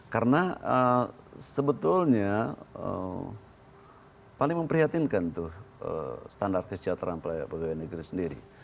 karena sebetulnya paling memprihatinkan itu standar kesejahteraan pegawai negeri sendiri